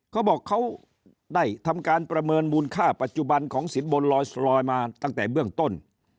เขาบอกเขาได้ทำการประเมินมูลค่าปัจจุบันของสินบนลอยมาตั้งแต่เบื้องต้น